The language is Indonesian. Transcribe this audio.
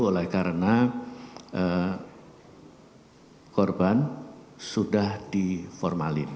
oleh karena korban sudah diformalin